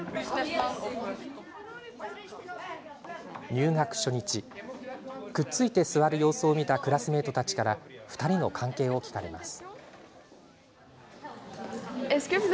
入学初日、くっついて座る様子を見たクラスメートたちから２人の関係を聞かれます。